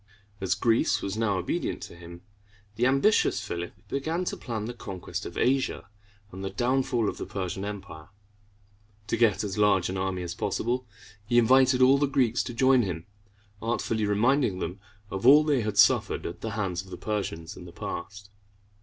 As Greece was now obedient to him, the ambitious Philip began to plan the conquest of Asia and the downfall of the Persian Empire. To get as large an army as possible, he invited all the Greeks to join him, artfully reminding them of all they had suffered at the hands of the Persians in the past.